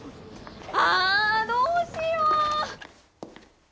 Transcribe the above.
ああどうしよう！